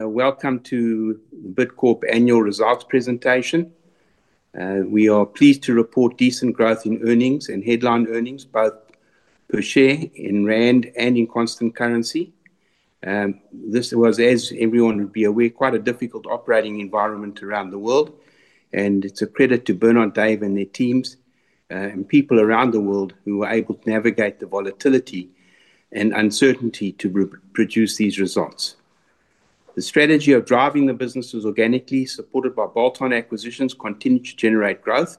Welcome to Bidcorp Annual Results Presentation. We are pleased to report decent growth in earnings and headline earnings, both per share in rand and in constant currency. This was, as everyone would be aware, quite a difficult operating environment around the world. It's a credit to Bernard, Dave and their teams and people around the world who were able to navigate the volatility and uncertainty to produce these results. The strategy of driving the businesses organically, supported by bolt-on acquisitions, continues to generate growth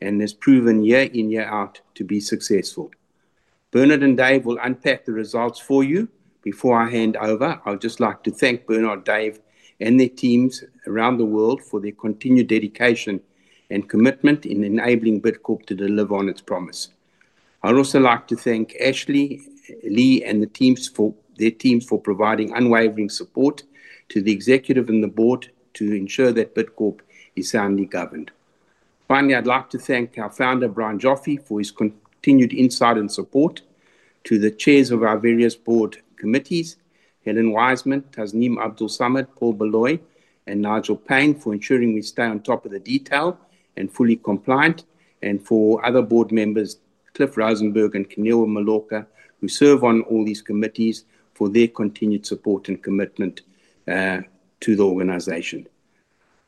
and has proven year in, year out to be successful. Bernard and Dave will unpack the results for you. Before I hand over, I would just like to thank Bernard, Dave and their teams around the world for their continued dedication and commitment in enabling Bidcorp to deliver on its promise. I'd also like to thank Ashley, Lee and their teams for providing unwavering support to the executive and the board to ensure that Bidcorp is soundly governed. Finally, I'd like to thank our founder, Brian Joffe, for his continued insight and support. To the chairs of our various board committees, Helen Wiseman, Tasneem Abdool-Samad, Paul Baloyi and Nigel Payne, for ensuring we stay on top of the details and fully compliant. For other board members, Cliff Rosenberg and Kanil Mallorca, who serve on all these committees, for their continued support and commitment to the organization.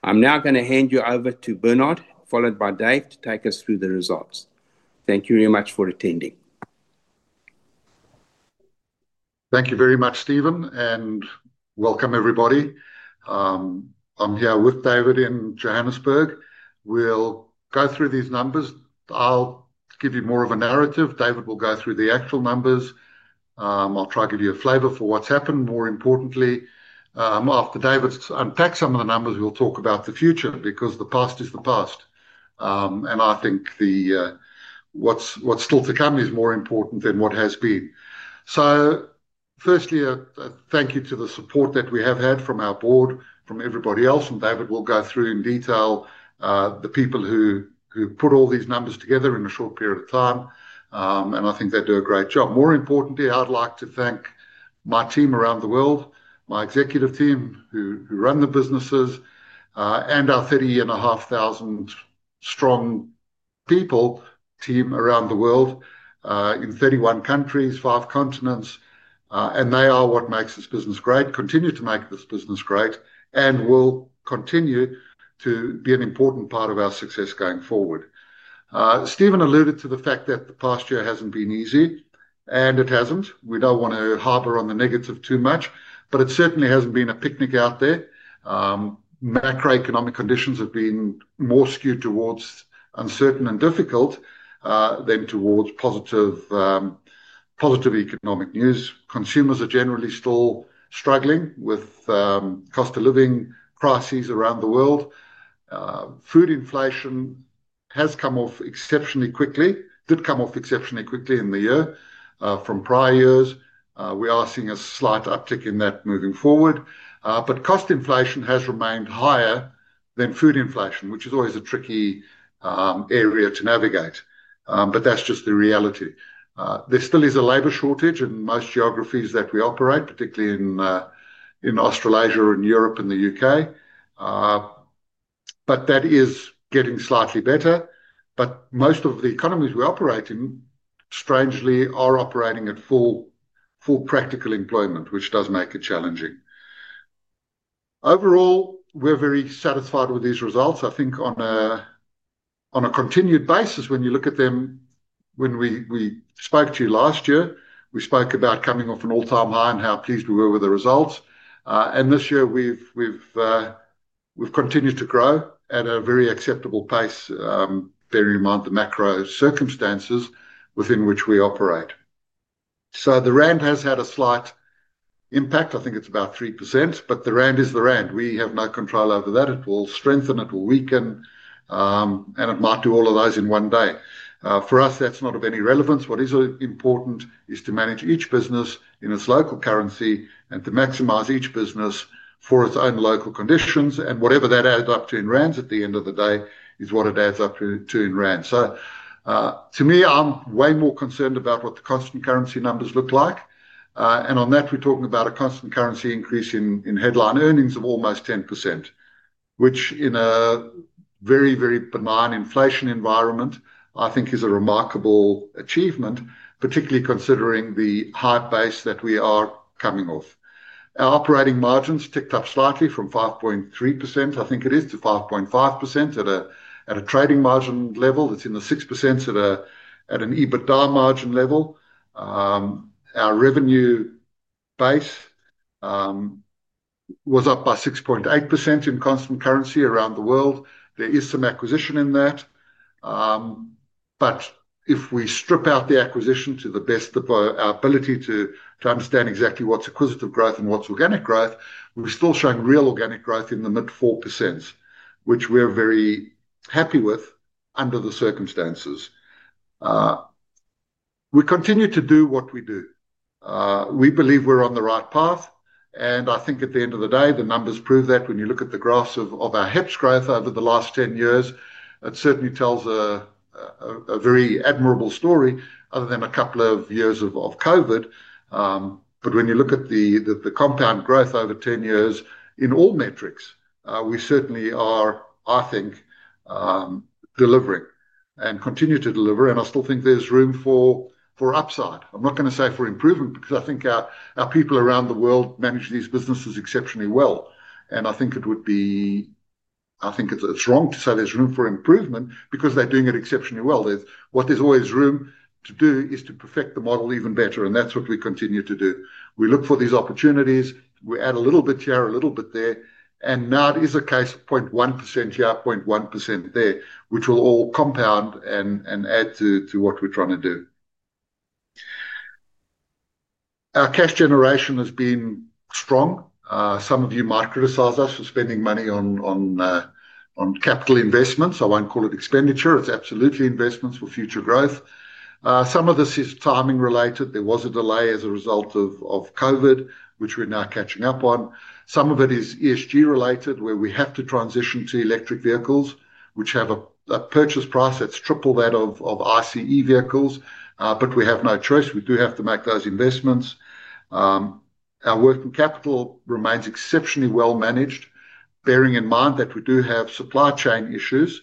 I'm now going to hand you over to Bernard, followed by Dave to take us through the results. Thank you very much for attending. Thank you very much, Stephen, and welcome everybody. I'm here with David in Johannesburg. We'll go through these numbers. I'll give you more of a narrative. David will go through the actual numbers. I'll try to give you a flavor for what's happened. More importantly, after David unpacks some of the numbers, we'll talk about the future, because the past is the past and I think what's still to come is more important than what has been. Firstly, thank you to the support that we have had from our board, from everybody else. David will go through in detail the people who put all these numbers together in a short period of time. I think they do a great job. More importantly, I'd like to thank my team around the world, my executive team who run the businesses and our 30,500 strong people team around the world, in 31 countries, five continents. They are what makes this business great, continue to make this business great, and will continue to be an important part of our success going forward. Stephen alluded to the fact that the past year hasn't been easy and it hasn't. We don't want to harbor on the negative too much, but it certainly hasn't been a picnic out there. Macroeconomic conditions have been more skewed towards uncertain and difficult than towards positive. Positive economic news. Consumers are generally still struggling with cost of living crises around the world. Food inflation has come off exceptionally quickly, did come off exceptionally quickly in the year from prior years. We are seeing a slight uptick in that moving forward. Cost inflation has remained higher than food inflation, which is always a tricky area to navigate. That's just the reality. There still is a labor shortage in most geographies that we operate, particularly in Australasia and Europe and the UK, but that is getting slightly better. Most of the economies we operate in strangely are operating at full practical employment, which does make it challenging. Overall we're very satisfied with these results I think on a continued basis when you look at them. When we spoke to you last year we spoke about coming off an all-time high and how pleased we were with the results. This year we've continued to grow at a very acceptable pace bearing in mind the macro circumstances within which we operate. The rand has had a slight impact. I think it's about 3%. The rand is the rand. We have no control over that. It will strengthen, it will weaken, and it might do all of those in one day. For us, that's not of any relevance. What is important is to manage each business in its local currency and to maximize each business for its own local conditions. Whatever that adds up to in rands at the end of the day is what it adds up to in rand. To me, I'm way more concerned about what the constant currency numbers look like. On that, we're talking about a constant currency increase in headline earnings of almost 10%, which in a very, very benign inflation environment I think is a remarkable achievement, particularly considering the high base that we are coming off. Our operating margins ticked up slightly from 5.3%, I think it is, to 5.5%. At a trading margin level, it's in the 6%. At an EBITDA margin level, our revenue base was up by 6.8% in constant currency around the world. There is some acquisition in that, but if we strip out the acquisition to the best ability to understand exactly what's acquisitive growth and what's organic growth, we've still shown real organic growth in the mid 4%, which we're very happy with under the circumstances. We continue to do what we do. We believe we're on the right path. I think at the end of the day, the numbers prove that. When you look at the graphs of our HEPS growth over the last 10 years, it certainly tells a very admirable story other than a couple of years of COVID. When you look at the compound growth over 10 years in all metrics, we certainly are, I think, delivering and continue to deliver. I still think there's room for upside. I'm not going to say for improvement because I think our people around the world manage these businesses exceptionally well. I think it's wrong to say there's room for improvement because they're doing it exceptionally well. What there's always room to do is to perfect the model even better. That's what we continue to do. We look for these opportunities. We add a little bit here, a little bit there, and now it is a case of 0.1% here, 0.1% there, which will all compound and add to what we're trying to do. Our cash generation has been strong. Some of you might criticize us for spending money on capital investments. I won't call it expenditure, it's absolutely investments for future growth. Some of this is timing related. There was a delay as a result of COVID, which we're now catching up on. Some of it is ESG related where we have to transition to electric vehicles, which have a purchase price that's triple that of ICE vehicles. We have no choice. We do have to make those investments. Our working capital remains exceptionally well managed. Bearing in mind that we do have supply chain issues,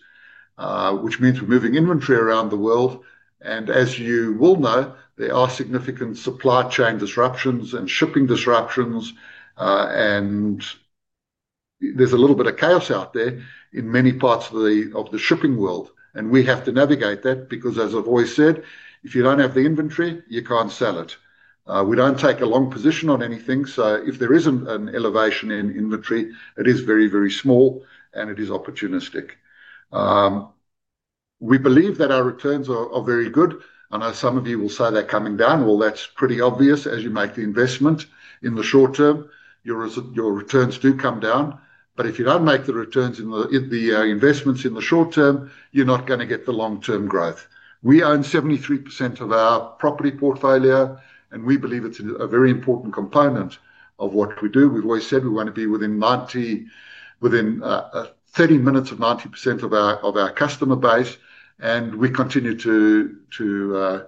which means we're moving inventory around the world. As you will know, there are significant supply chain disruptions and shipping disruptions, and there's a little bit of chaos out there in many parts of the shipping world. We have to navigate that because, as I've always said, if you don't have the inventory, you can't sell it. We don't take a long position on anything. If there isn't an elevation in inventory, it is very, very small and it is opportunistic. We believe that our returns are very good. I know some of you will say that coming down. That's pretty obvious. As you make the investment in the short term, your returns do come down. If you don't make the returns in the investments in the short term, you're not going to get the long term growth. We own 73% of our property portfolio, and we believe it's a very important component of what we do. We've always said we want to be within 30 minutes of 90% of our customer base. We continue to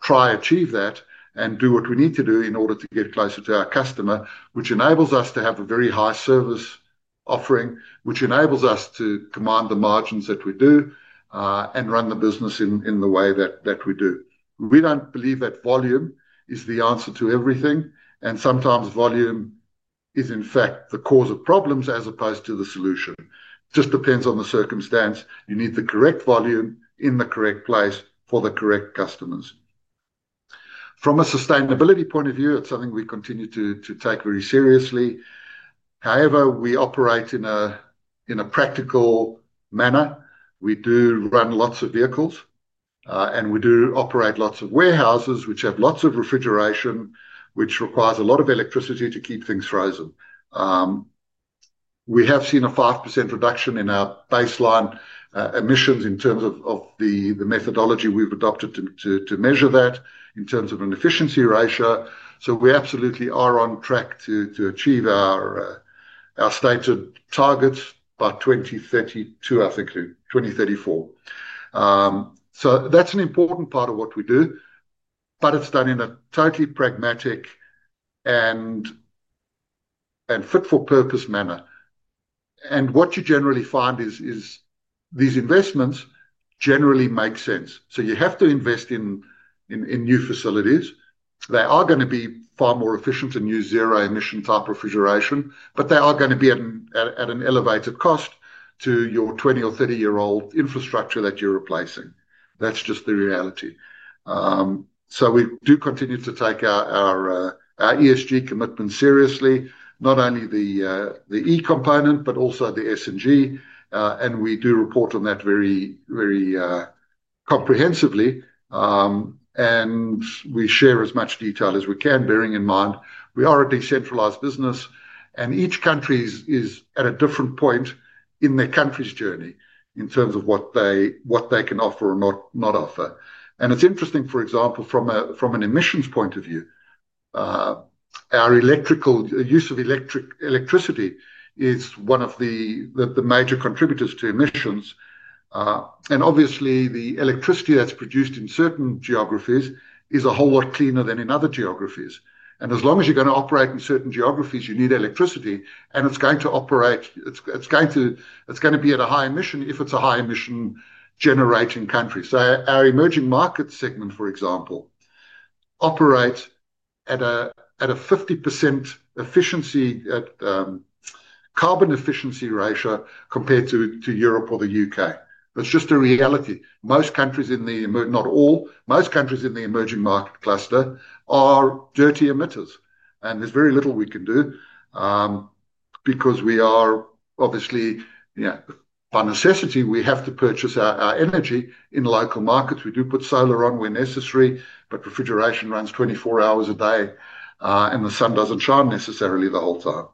try to achieve that and do what we need to do in order to get closer to our customer, which enables us to have a very high service offering, which enables us to command the margins that we do and run the business in the way that we do. We don't believe that volume is the answer to everything. Sometimes volume is in fact the cause of problems as opposed to the solution, just depends on the circumstance. You need the correct volume in the correct place for the correct customers. From a sustainability point of view, it's something we continue to take very seriously. However, we operate in a practical manner. We do run lots of vehicles and we do operate lots of warehouses, which have lots of refrigeration, which requires a lot of electricity to keep things frozen. We have seen a 5% reduction in our baseline emissions in terms of the methodology we've adopted to measure that in terms of an efficiency ratio. We absolutely are on track to achieve our stated targets by 2032, I think 2034. That's an important part of what we do, but it's done in a totally pragmatic and fit for purpose manner. What you generally find is these investments generally make sense. You have to invest in new facilities, they are going to be far more efficient and use zero emission type refrigeration, but they are going to be at an elevated cost to your 20 or 30 year old infrastructure that you're replacing. That's just the reality. We do continue to take our ESG commitment seriously, not only the E component, but also the S and G. We do report on that very comprehensively and we share as much detail as we can, bearing in mind we are a decentralized business and each country is at a different point in their country's journey in terms of what they can offer or not offer. It's interesting, for example, from an emissions point of view, our use of electricity is one of the major contributors to emissions. Obviously, the electricity that's produced in certain geographies is a whole lot cleaner than in other geographies. As long as you're going to operate in certain geographies you need electricity and it's going to be at a high emission if it's a high emission generating country. Our emerging markets segment, for example, operates at a 50% carbon efficiency ratio compared to Europe or the UK, that's just a reality. Most countries in the, not all, most countries in the emerging market cluster are dirty emitters and there's very little we can do because we are obviously by necessity we have to purchase our energy in local markets. We do put solar on where necessary, but refrigeration runs 24 hours a day and the sun doesn't shine necessarily the whole time.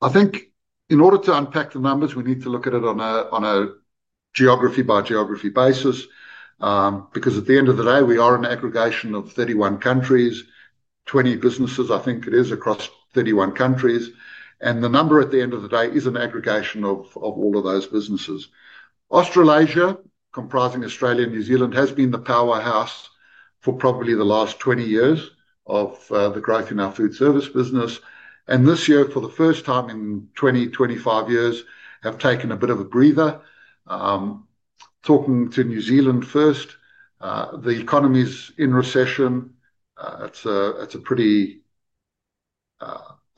I think in order to unpack the numbers we need to look at it on a geography by geography basis. At the end of the day we are an aggregation of 31 countries, 20 businesses, I think it is across 31 countries and the number at the end of the day is an aggregation of all of those businesses. Australasia, comprising Australia and New Zealand, has been the powerhouse for probably the last 20 years of the growth in our food service business. This year for the first time in 20, 25 years have taken a bit of a breather talking to New Zealand. First, the economy's in recession, it's a pretty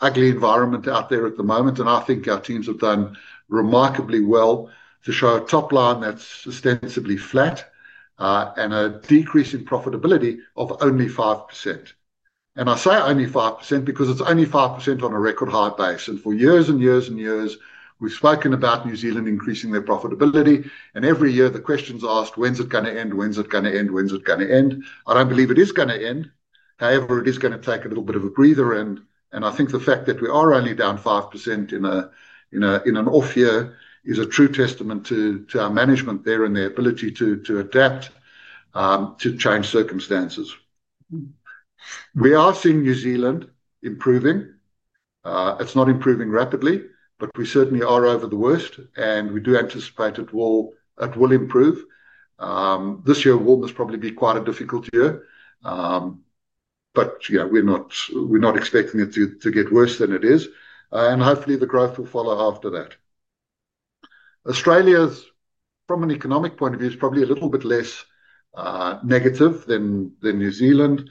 ugly environment out there at the moment and I think our teams have done remarkably well to show a top line that's ostensibly flat and a decrease in profitability of only 5%. I say only 5% because it's only 5% on a record high base. For years and years and years we've spoken about New Zealand increasing their profitability and every year the question's asked when's it going to end? When's it going to end? When's it going to end? I don't believe it is going to end, however it is going to take a little bit of a breather and I think the fact that we are only down 5% in an off year is a true testament to our management there and their ability to adapt to change circumstances. We are seeing New Zealand improving. It's not improving rapidly but we certainly are over the worst and we do anticipate it will, it will improve this year. Probably be quite a difficult year but you know, we're not, we're not expecting it to get worse than it is and hopefully the growth will follow after that. Australia's from an economic point of view is probably a little bit less negative than New Zealand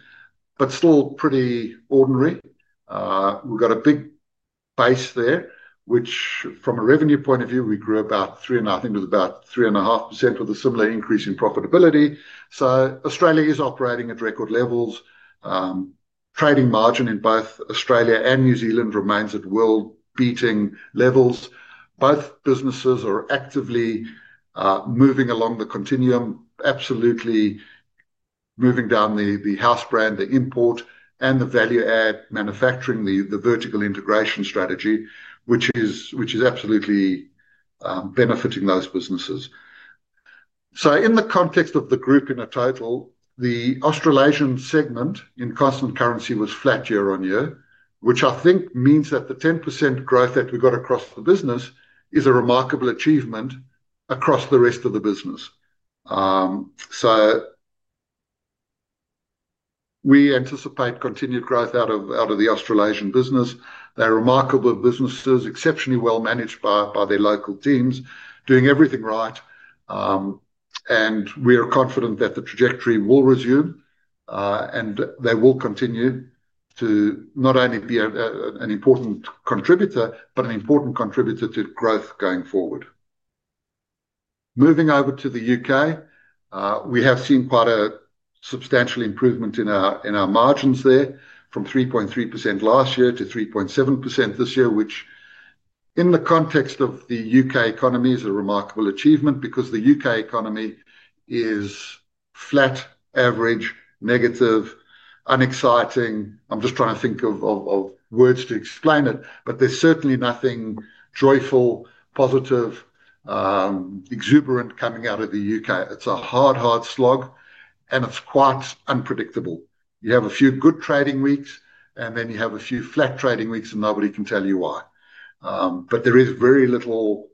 but still pretty ordinary. We've got a big base there which from a revenue point of view we grew about 3% and I think it was about 3.5% with a similar increase in profitability. Australia is operating at record levels. Trading margin in both Australia and New Zealand remains at world beating levels. Both businesses are actively moving along the continuum, absolutely moving down the house brand, the import and the value add manufacturing, the vertical integration strategy, which is absolutely benefiting those businesses. In the context of the group, in a total, the Australasian segment in constant currency was flat year on year, which I think means that the 10% growth that we got across the business is a remarkable achievement across the rest of the business. We anticipate continued growth out of the Australasian business. They're remarkable businesses, exceptionally well managed by their local teams, doing everything right, and we are confident that the trajectory will resume and they will continue to not only be an important contributor, but an important contributor to growth going forward. Moving over to the UK, we have seen quite a substantial improvement in our margins there, from 3.3% last year to 3.7% this year, which in the context of the UK economy, is a remarkable achievement because the UK economy is flat, average, negative, unexciting. I'm just trying to think of words to explain it, but there's certainly nothing joyful, positive, exuberant coming out of the UK. It's a hard, hard slog and it's quite unpredictable. You have a few good trading weeks and then you have a few flat trading weeks and nobody can tell you why. There is very little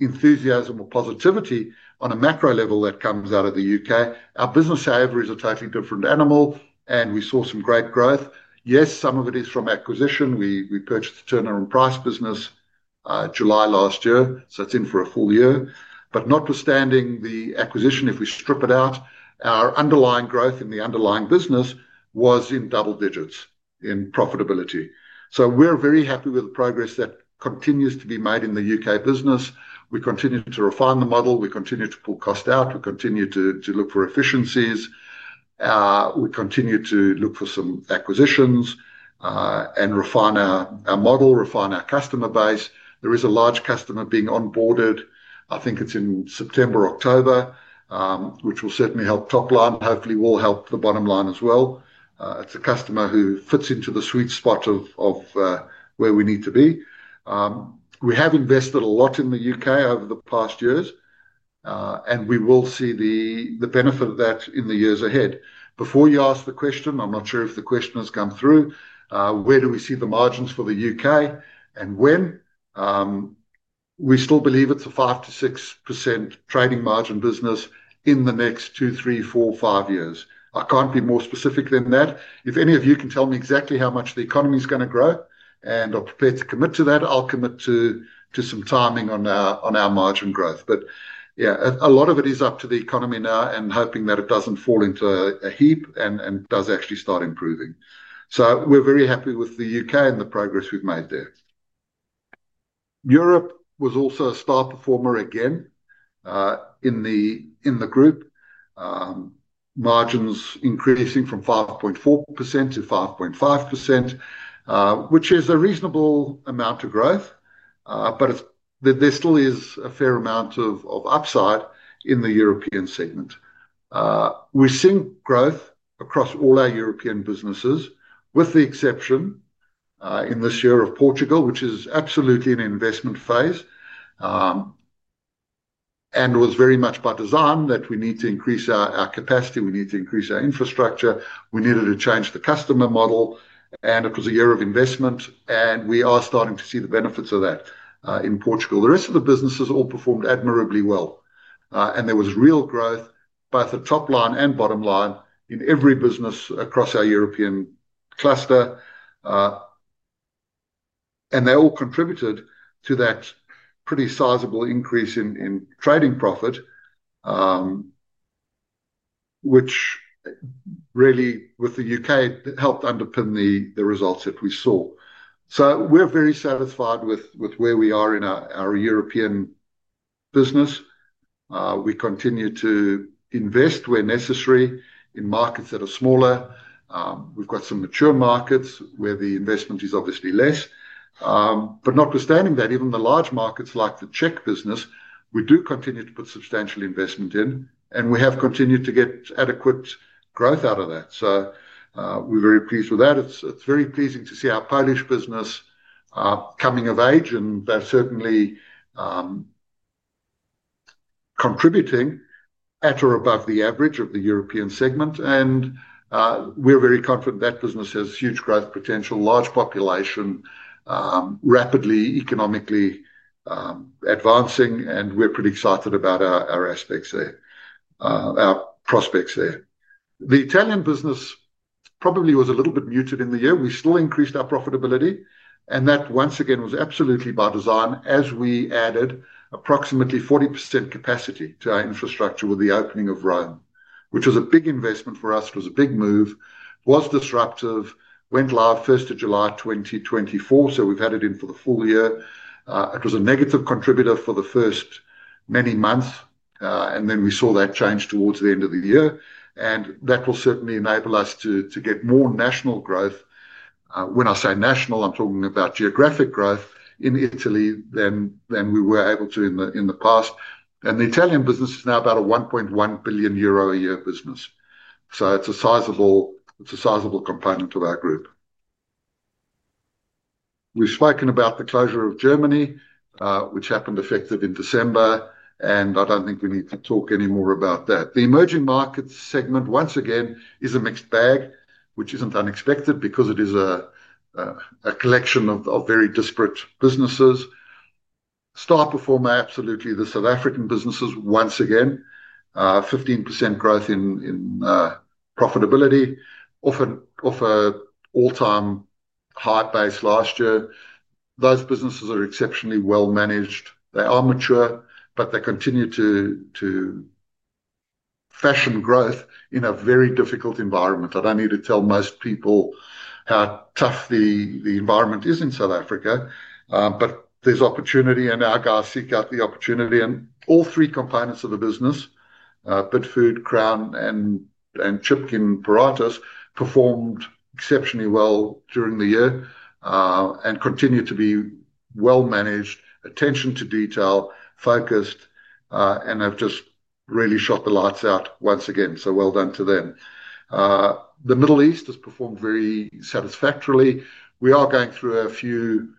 enthusiasm or positivity on a macro level that comes out of the UK. Our business, however, is a totally different animal and we saw some great growth. Yes, some of it is from acquisition. We purchased the Turner Price business July last year, so it's in for a full year. Notwithstanding the acquisition, if we strip it out, our underlying growth in the underlying business was in double digits in profitability. We're very happy with the progress that continues to be made in the UK business. We continue to refine the model, we continue to pull cost out, we continue to look for efficiencies, we continue to look for some acquisitions and refine our model, refine our customer base. There is a large customer being onboarded. I think it's in September, October, which will certainly help top line, hopefully will help the bottom line as well. It's a customer who fits into the sweet spot of where we need to be. We have invested a lot in the UK over the past years and we will see the benefit of that in the years ahead. Before you ask the question, I'm not sure if the question has come through. Where do we see the margins for the UK and when we still believe it's a 5%-6% trading margin business in the next 2, 3, 4, 5 years. I can't be more specific than that. If any of you can tell me exactly how much the economy is going to grow and are prepared to commit to that, I'll commit to some timing on our margin growth. A lot of it is up to the economy now and hoping that it doesn't fall into a heap and does actually start improving. We're very happy with the UK and the progress we've made there. Europe was also a star performer again in the group, margins increasing from 5.4% to 5.5%, which is a reasonable amount of growth. There still is a fair amount of upside in the European segment. We're seeing growth across all our European businesses, with the exception in this year of Portugal, which is absolutely in an investment phase and was very much by design that we need to increase our capacity, we need to increase our infrastructure, we needed to change the customer model. It was a year of investment and we are starting to see the benefits of that in Portugal. The rest of the businesses all performed admirably well, and there was real growth, both the top line and bottom line in every business across our European cluster. They all contributed to that pretty sizable increase in trading profit, which really, with the UK, helped underpin the results that we saw. We're very satisfied with where we are in our European business. We continue to invest where necessary in markets that are smaller. We've got some mature markets where the investment is obviously less. Notwithstanding that, even the large markets like the Czech business, we do continue to put substantial investment in, and we have continued to get adequate growth out of that. We're very pleased with that. It's very pleasing to see our Polish business coming of age, and they're certainly contributing at or above the average of the European segment. We're very confident that business has huge growth potential, large population, rapidly economically advancing, and we're pretty excited about our prospects there. The Italian business probably was a little bit muted in the year. We still increased our profitability, and that once again was absolutely by design as we added approximately 40% capacity to our infrastructure with the opening of Rome, which was a big investment for us. It was a big move, was disruptive, went live July 1, 2024, so we've had it in for the full year. It was a negative contributor for the first many months, and then we saw that change towards the end of the year, and that will certainly enable us to get more national growth. When I say national, I'm talking about geographic growth in Italy than we were able to in the past. The Italian business is now about a €1.1 billion a year business, so it's a sizable component of our group. We've spoken about the closure of Germany, which happened effective in December, and I don't think we need to talk any more about that. The emerging markets segment once again is a mixed bag, which isn't unexpected because it is a collection of very disparate businesses. Star performer, absolutely. The South African businesses once again, 15% growth in profitability off an all-time high base last year. Those businesses are exceptionally well managed, they are mature, but they continue to fashion growth in a very difficult environment. I don't need to tell most people how tough the environment is in South Africa, but there's opportunity and our guys seek out the opportunity in all three components of the business. Bidfood, Crown, and Chipkins Puratos performed exceptionally well during the year and continue to be well managed, attention to detail focused, and have just really shot the lights out once again. Well done to them. The Middle East has performed very satisfactorily. We are going through a few,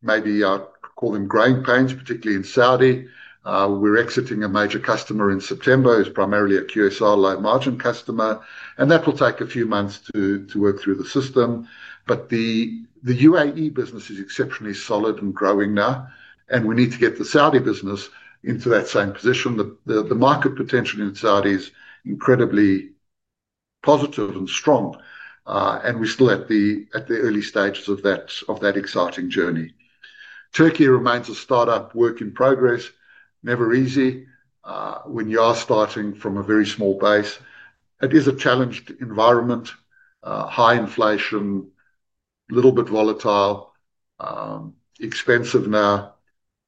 maybe I call them growing pains, particularly in Saudi. We're exiting a major customer in September who's primarily a QSR low margin customer, and that will take a few months to work through the system. The UAE business is exceptionally solid and growing now, and we need to get the Saudi business into that same position. The market potential in Saudi is incredibly positive and strong, and we're still at the early stages of that exciting journey. Turkey remains a startup work in progress. Never easy when you are starting from a very small base. It is a challenged environment, high inflation, a little bit volatile, expensive now,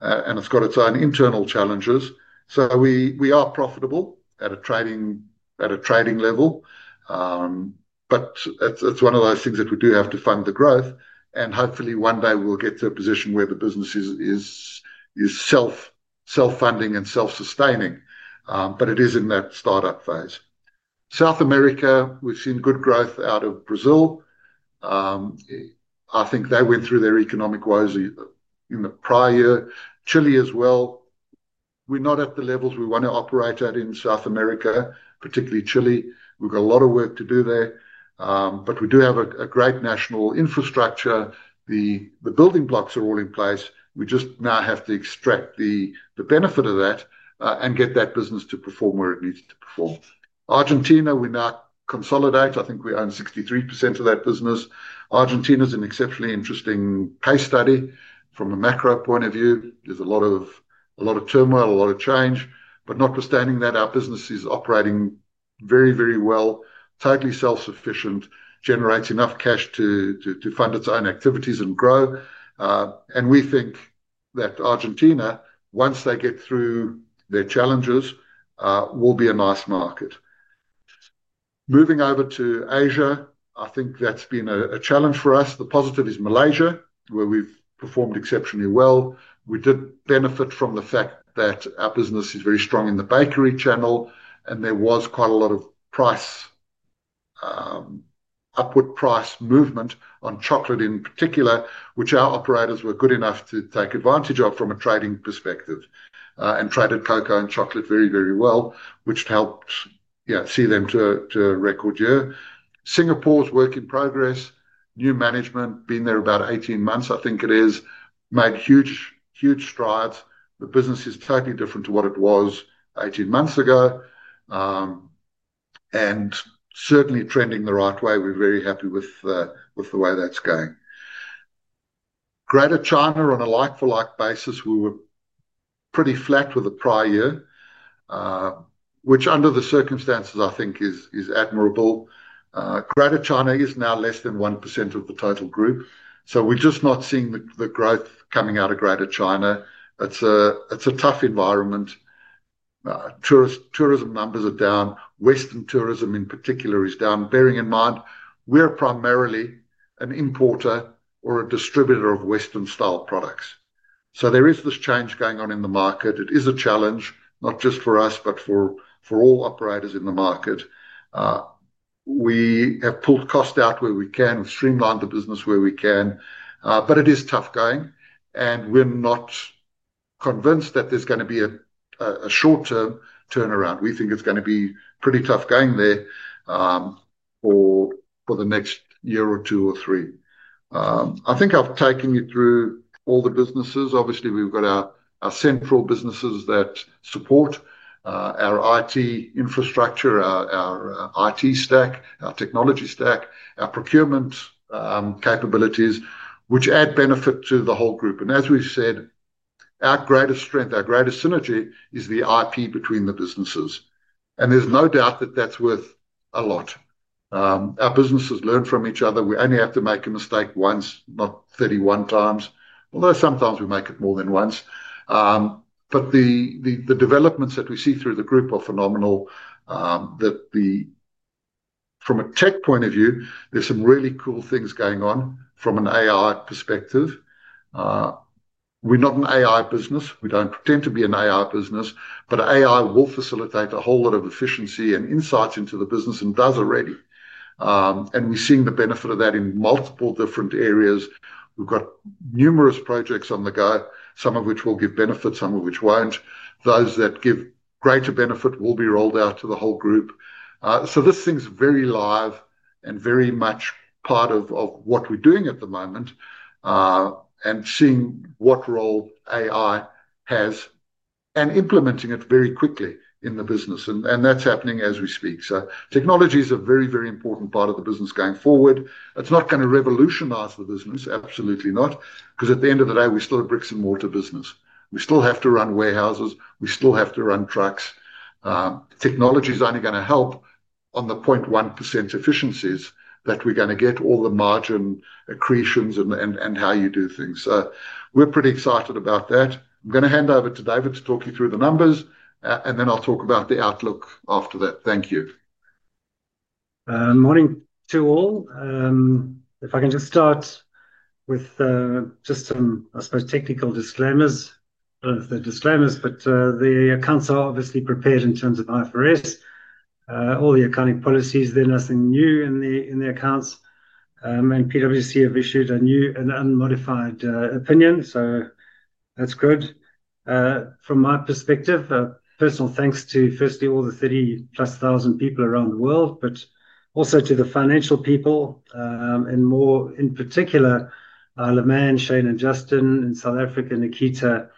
and it's got its own internal challenges. We are profitable at a trading level, but it's one of those things that we do have to fund the growth and hopefully one day we'll get to a position where the business is self-funding and self-sustaining. It is in that startup phase. South America, we've seen good growth out of Brazil. I think they went through their economic woes in the prior year. Chile as well. We're not at the levels we want to operate at in South America, particularly Chile. We've got a lot of work to do there, but we do have a great national infrastructure. The building blocks are all in place. We just now have to extract the benefit of that and get that business to perform where it needs to perform. Argentina, we now consolidate. I think we own 63% of that business. Argentina is an exceptionally interesting case study from a macro point of view. There's a lot of turmoil, a lot of change. Notwithstanding that, our business is operating very, very well. Totally self-sufficient, generates enough cash to fund its own activities and grow. We think that Argentina, once they get through their challenges, will be a nice market. Moving over to Asia, I think that's been a challenge for us. The positive is Malaysia, where we've performed exceptionally well. We did benefit from the fact that our business is very strong in the bakery channel, and there was quite a lot of upward price movement on chocolate in particular, which our operators were good enough to take advantage of from a trading perspective and traded cocoa and chocolate very, very well, which helped see them to record year. Singapore's work in progress. New management has been there about 18 months. I think it has made huge, huge strides. The business is totally different to what it was 18 months ago and certainly trending the right way. We're very happy with the way that's going. Greater China, on a like-for-like basis, we were pretty flat with the prior year, which under the circumstances I think is admirable. Greater China is now less than 1% of the total group. We're just not seeing the growth coming out of Greater China. It's a tough environment. Tourism numbers are down. Western tourism in particular is down. Bearing in mind we're primarily an importer or a distributor of Western style products, there is this change going on in the market. It is a challenge not just for us but for all operators in the market. We have pulled cost out where we can, streamlined the business where we can. It is tough going, and we're not convinced that there's going to be a short-term turnaround. We think it's going to be pretty tough going there for the next year or two or three, I think. I've taken you through all the businesses. Obviously, we've got our central businesses that support our IT infrastructure, our IT stack, our technology stack, our procurement capabilities, which add benefit to the whole group. As we said, our greatest strength, our greatest synergy, is the IP between the businesses, and there's no doubt that that's worth a lot. Our businesses learn from each other. We only have to make a mistake once, not 31 times, although sometimes we make it more than once. The developments that we see through the group are phenomenal. From a tech point of view, there's some really cool things going on. From an AI perspective, we're not an AI business. We don't pretend to be an AI business, but AI will facilitate a whole lot of efficiency and insights into the business and does already, and we're seeing the benefit of that in multiple different areas. We've got numerous projects on the go, some of which will give benefit, some of which won't. Those that give greater benefit will be rolled out to the whole group. This thing's very live and very much part of what we're doing at the moment and seeing what role AI has and implementing it very quickly in the business, and that's happening as we speak. Technology is a very, very important part of the business going forward. It's not going to revolutionize the business, absolutely not, because at the end of the day we are still a bricks and mortar business. We still have to run warehouses, we still have to run trucks. Technology is only going to help on the 0.1% efficiencies that we're going to get, all the margin accretions, and how you do things. We're pretty excited about that. Going to hand over to David to talk you through the numbers, and then I'll talk about the outlook after that. Thank you. Morning to all. If I can just start with some, I suppose, technical disclaimers. The disclaimers, but the accounts are obviously prepared in terms of IFRS, all the accounting policies, there's nothing new in the accounts and PwC have issued a new and unmodified opinion, so that's good from my perspective. Personal thanks to firstly all the 30,000 plus people around the world, but also to the financial people and more in particular Lamarne, Shane, and Justin in South Africa. Nikita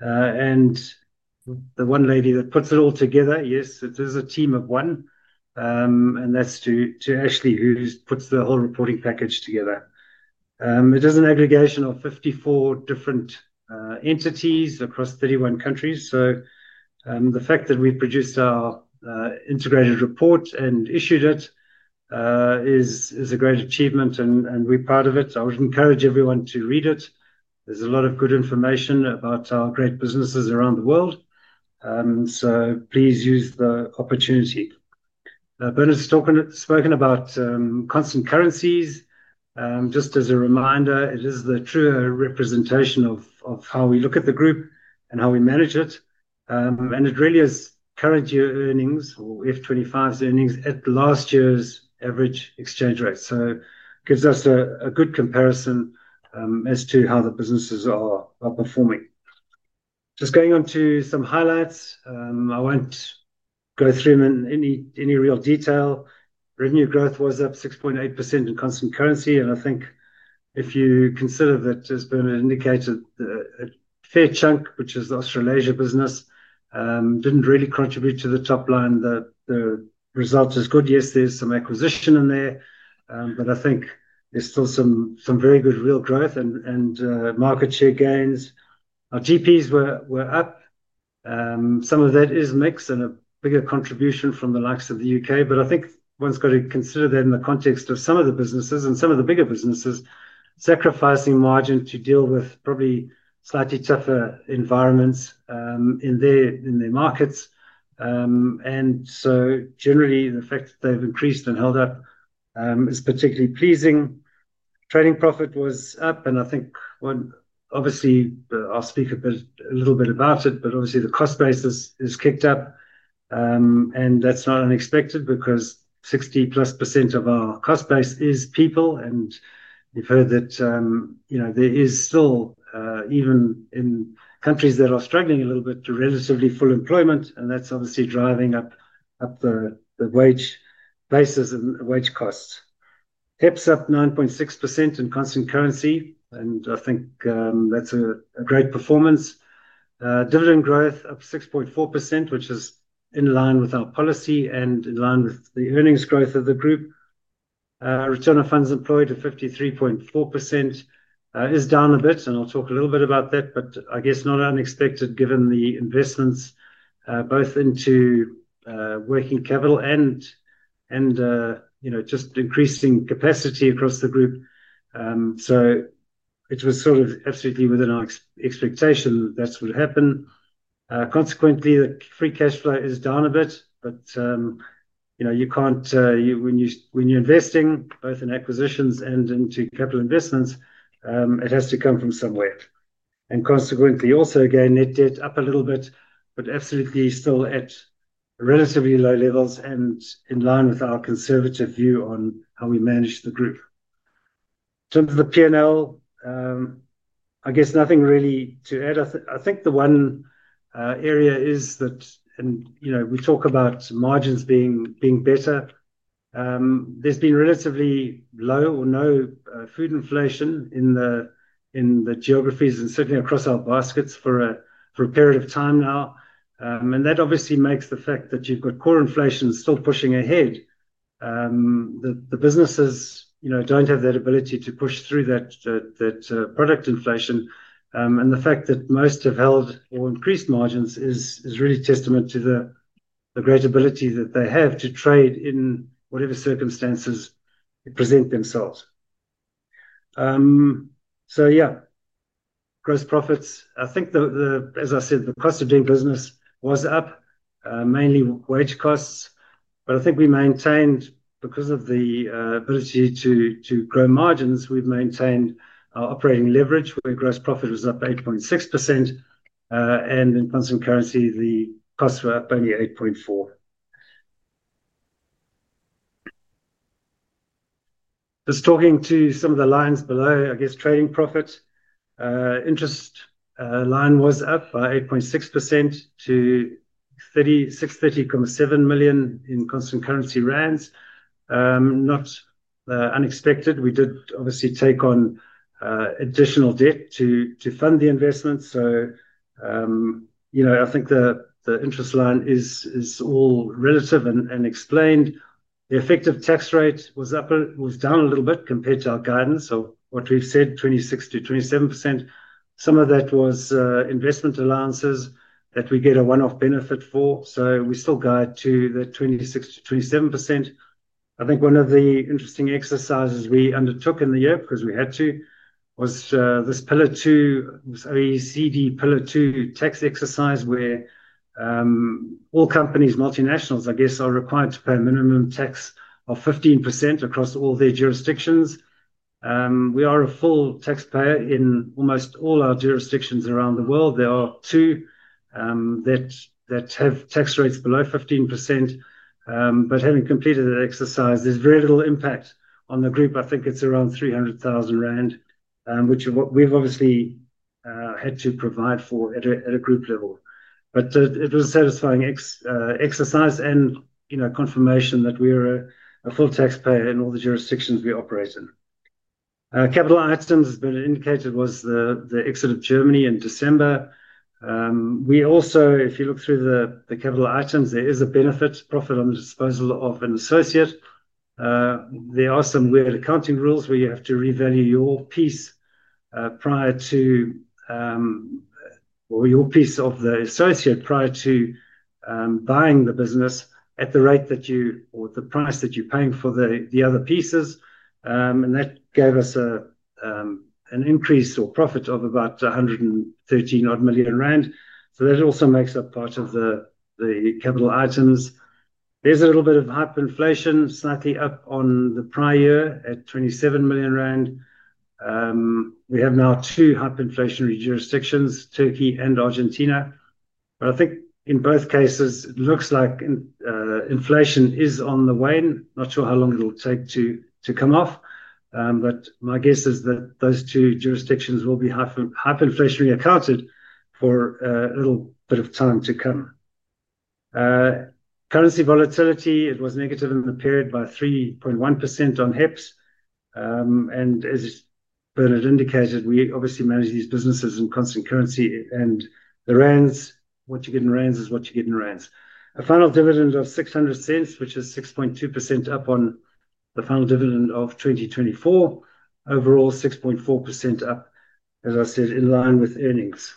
and the one lady that puts it all together. Yes, it is a team of one and that's to Ashley who puts the whole reporting package together. It is an aggregation of 54 different entities across 31 countries. The fact that we produced our integrated report and issued it is a great achievement and we're proud of it. I would encourage everyone to read it. There's a lot of good information about our great businesses around the world, so please use the opportunity. Bernard's spoken about constant currency. Just as a reminder, it is the true representation of how we look at the group and how we manage it and it really is current year earnings or Fiscal 2025's earnings at last year's average exchange rate. It gives us a good comparison as to how the businesses are performing. Just going on to some highlights. I won't go through them in any real detail, revenue growth was up 6.8% in constant currency and I think if you consider that, as Bernard indicated, a fair chunk, which is the Australasia business, didn't really contribute to the top line. The result is good. Yes, there's some acquisition in there, but I think there's still some very good real growth and market share gains. Our GPs were up. Some of that is mix and a bigger contribution from the likes of the UK. I think one's got to consider that in the context of some of the businesses and some of the bigger businesses sacrificing margin to deal with probably slightly tougher environments in their markets, and generally the fact that they've increased and held up is particularly pleasing. Trading profit was up and I think, obviously, I'll speak a bit, a little bit about it, but obviously the cost basis has kicked up and that's not unexpected because 60% plus of our cost base is people and you've heard that, you know, there is still, even in countries that are struggling a little bit, relatively full employment and that's obviously driving up the. The wage basis and wage costs are up 9.6% in constant currency and I think that's a great performance. Dividend growth up 6.4% which is in line with our policy and in line with the earnings growth of the group. Return on funds employed at 53.4% is down a bit and I'll talk a little bit about that but I guess not unexpected given the investments both into working capital and just increasing capacity across the group. It was absolutely within our expectation that would happen. Consequently, the free cash flow is down a bit but when you're investing both in acquisitions and into capital investments it has to come from somewhere and consequently also again net debt up a little bit but absolutely still at relatively low levels and in line with our conservative view on how we manage the group. In terms of the P&L, I guess nothing really to add. I think the one area is that, you know, we talk about margins being better, there's been relatively low or no food inflation in the geographies and certainly across our baskets for a period of time now. That obviously makes the fact that you've got core inflation still pushing ahead, the businesses don't have that ability to push through that product inflation and the fact that most have held or increased margins is really testament to the great ability that they have to trade in whatever circumstances present themselves. Gross profits, I think the, as I said, the cost of doing business was up mainly wage costs but I think we maintained because of the ability to grow margins we've maintained our operating leverage where gross profit was up 8.6% and in constant currency the costs were up only 8.4%. Just talking to some of the lines below, I guess trading profit interest line was up by 8.6% to 637 million in constant currency, not unexpected. We did obviously take on additional debt to fund the investment so I think the interest line is all relative and explained. The effective tax rate was down a little bit compared to our guidance. What we've said, 26%-27%, some of that was investment allowances that we get a one-off benefit for so we still guide to the 26%-27%. I think one of the interesting exercises we undertook in the year because we had to was this Pillar Two, this OECD Pillar Two tax exercise where all companies, multinationals I guess, are required to pay a minimum tax of 15% across all their jurisdictions. We are a full taxpayer in almost all our jurisdictions around the world. There are two that have tax rates below 15%, but having completed that exercise, there's very little impact on the group. I think it's around 300,000 rand, which we've obviously had to provide for at a group level, but it was a satisfying exercise and confirmation that we are a full taxpayer in all the jurisdictions we operate in. Capital items, as has been indicated, was the exit of Germany in December. If you look through the capital items, there is a benefit profit on the disposal of an associate, or there are some weird accounting rules where you have to revalue your piece of the associate prior to buying the business at the rate that you, or the price that you're paying for the other pieces, and that gave us an increase or profit of about 113 million rand. That also makes up part of the capital items. There's a little bit of hyperinflation, slightly up on the prior year at 27 million rand. We have now two hyperinflationary jurisdictions, Turkey and Argentina. I think in both cases it looks like inflation is on the wane. Not sure how long it'll take to come off, but my guess is that those two jurisdictions will be hyperinflation accounted for a little bit of time to come. Currency volatility was negative in the period by 3.1% on headline earnings per share, and as Bernard indicated, we obviously manage these businesses in constant currency. The rands, what you get in rands is what you get in rands. A final dividend of 0.600, which is 6.2% up on the final dividend of 2024. Overall, 6.4% up. As I said, in line with earnings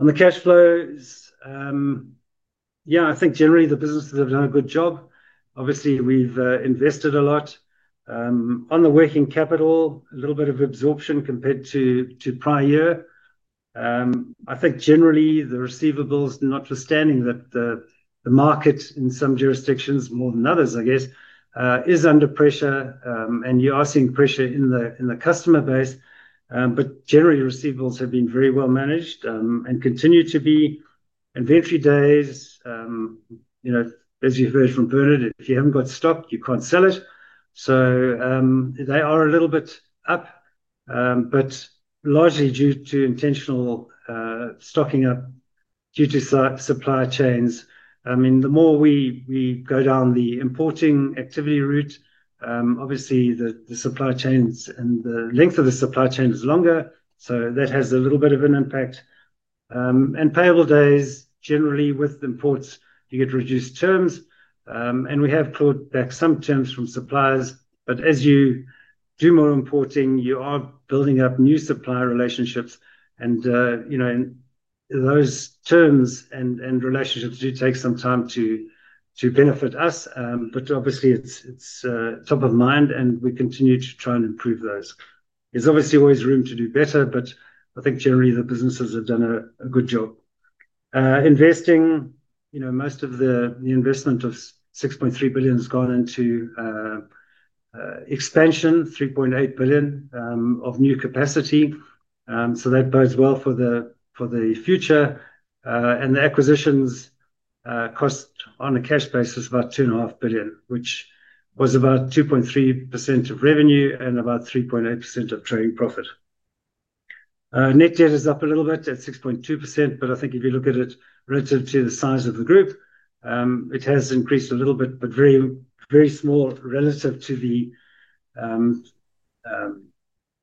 on the cash flows. I think generally the businesses have done a good job. Obviously, we've invested a lot on the working capital. A little bit of absorption compared to prior year. I think generally the receivables, notwithstanding that the market in some jurisdictions more than others, I guess, is under pressure and you are seeing pressure in the customer base. Generally, receivables have been very well managed and continue to be. Inventory days, as you heard from Bernard, if you haven't got stock, you can't sell it. They are a little bit up, but largely due to intentional stocking up due to supply chains. The more we go down the importing activity route, obviously the supply chains and the length of the supply chain is longer. That has a little bit of an impact. Payable days, generally with imports you get reduced terms and we have clawed back some terms from suppliers. As you do more importing, you are building up new supplier relationships and those terms and relationships do take some time to benefit us. Obviously, it's top of mind and we continue to try and improve those. There's always room to do better. I think generally the businesses have done a good job investing. Most of the investment of 6.3 billion has gone into expansion, 3.8 billion of new capacity. That bodes well for the future. The acquisitions cost on a cash basis, about 2.5 billion, which was about 2.3% of revenue and about 3.8% of trading profit. Net debt is up a little bit at 6.2%. If you look at it relative to the size of the group, it has increased a little bit, but very, very small relative to the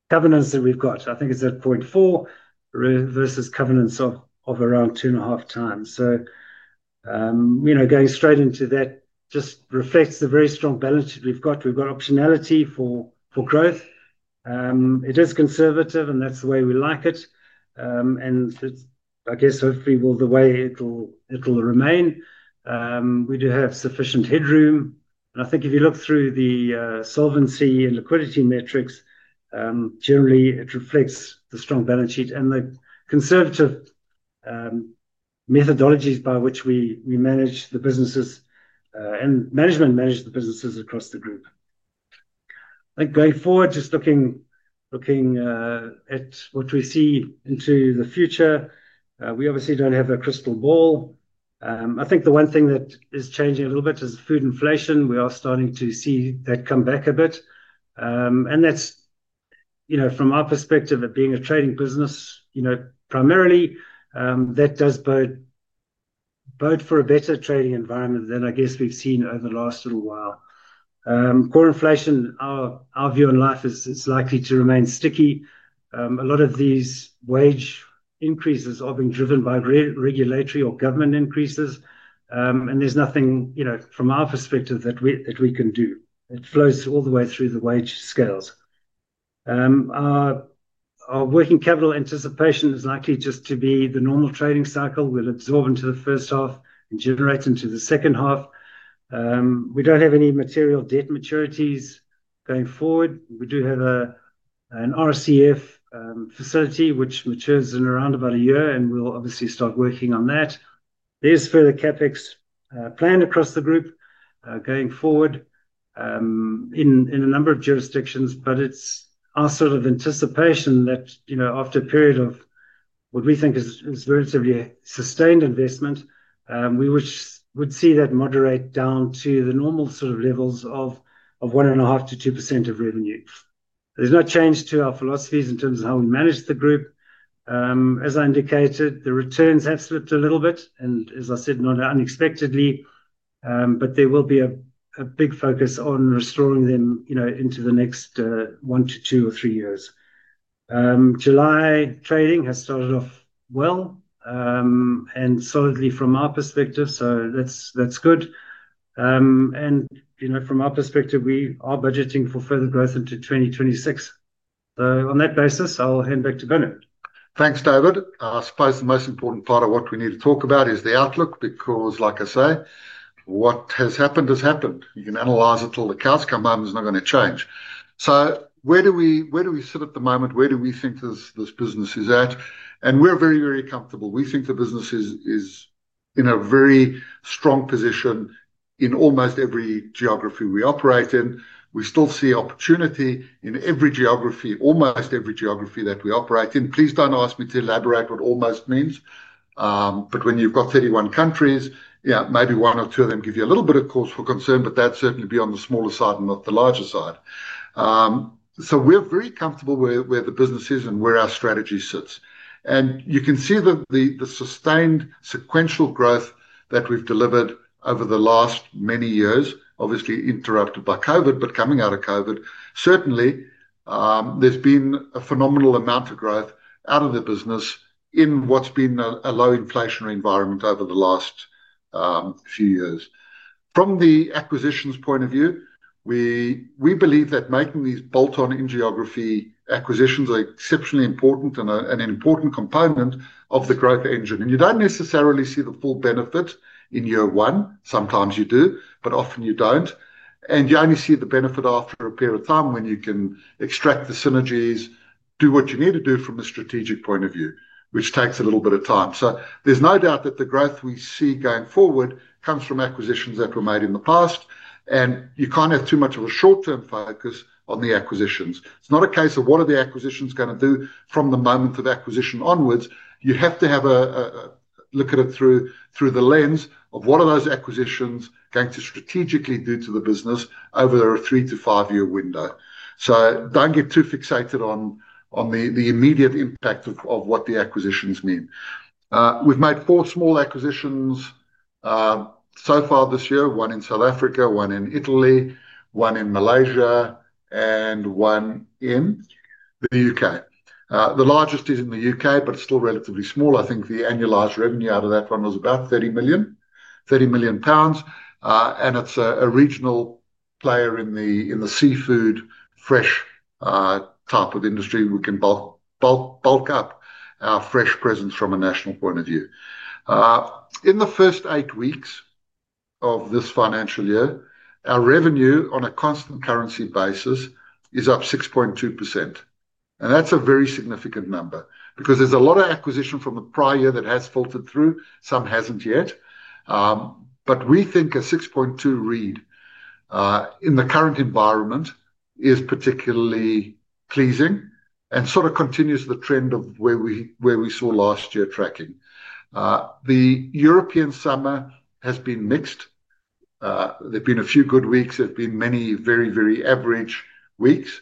covenants that we've got. I think it's at 0.4 versus covenants of around 2.5 times. Going straight into that just reflects the very strong balance that we've got. We've got optionality for growth. It is conservative and that's the way we like it and I guess hopefully will be the way it'll remain. We do have sufficient headroom and I think if you look through the solvency and liquidity metrics, generally it reflects the strong balance sheet and the conservative methodologies by which we manage the businesses and management manage the businesses across the group. Going forward, just looking at what we see and into the future, we obviously don't have a crystal ball. I think the one thing that is changing a little bit is food inflation. We are starting to see that come back a bit and that's, from our perspective of being a trading business, primarily that does bode for a better trading environment than I guess we've seen over the last little while. Core inflation, our view on life is likely to remain sticky. A lot of these wage increases are being driven by regulatory or government increases and there's nothing from our perspective that we can do. It flows all the way through the wage scales. Our working capital anticipation is likely just to be the normal trading cycle. We'll absorb into the first half and generate into the second half. We don't have any material debt maturities going forward. We do have an RCF facility which matures in around about a year and we'll obviously start working on that. There's further CapEx planned across the group going forward in a number of jurisdictions. It's our sort of anticipation that after a period of what we think is relatively sustained investment, we would see that moderate down to the normal sort of levels of 1.5%-2% of revenue. There's no change to our philosophies in terms of how we manage the group. As I indicated, the returns have slipped a little bit, and as I said, not unexpectedly, but there will be a big focus on restoring them into the next one to two or three years. July trading has started off well and solidly from our perspective, so that's good. From our perspective, we are budgeting for further growth into 2026. On that basis, I'll hand back to Bernard. Thanks, David. I suppose the most important part of what we need to talk about is the outlook because, like I say, what has happened has happened. You can analyze it till the cows come home. It's not going to change. Where do we sit at the moment? Where do we think this business is at? We're very, very comfortable. We think the business is in a very strong position in almost every geography we operate in. We still see opportunity in almost every geography that we operate in. Please don't ask me to elaborate what almost means, but when you've got 31 countries, maybe one or two of them give you a little bit of cause for concern. That would certainly be on the smaller side and not the larger side. We're very comfortable where the business is and where our strategy sits. You can see the sustained sequential growth that we've delivered over the last many years, obviously interrupted by COVID, but coming out of COVID, certainly there's been a phenomenal amount of growth out of the business in what's been a low inflationary environment over the last few years. From the acquisitions point of view, we believe that making these bolt-on, in-geography acquisitions are exceptionally important and an important component of the growth engine. You don't necessarily see the full benefit in year one. Sometimes you do, but often you don't. You only see the benefit after a period of time when you can extract the synergies, do what you need to do from a strategic point of view, which takes a little bit of time. There's no doubt that the growth we see going forward comes from acquisitions that were made in the past. You can't have too much of a short-term focus on the acquisitions. It's not a case of what are the acquisitions going to do from the moment of acquisition onwards. You have to have a look at it through the lens of what are those acquisitions going to strategically do to the business over a three to five year window. Don't get too fixated on the immediate impact of what the acquisitions mean. We've made four small acquisitions so far this year. One in South Africa, one in Italy, one in Malaysia, and one in the UK. The largest is in the UK, but still relatively small. I think the annualized revenue out of that one was about £30 million. It's a regional player in the seafood fresh type of industry. We can bulk up our fresh presence from a national point of view. In the first eight weeks of this financial year, our revenue on a constant currency basis is up 6.2%. That's a very significant number because there's a lot of acquisition from the prior year that has filtered through. Some hasn't yet, but we think a 6.2% rate in the current environment is particularly pleasing and continues the trend of where we saw last year. Tracking the European summer has been mixed. There have been a few good weeks, and many very, very average weeks.